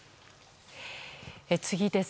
次です。